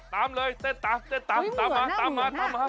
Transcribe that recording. ตามเลยเต้นตามเต้นตามตามมาตามมาตามมา